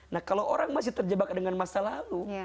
nah kalau orang masih terjebak dengan masa lalu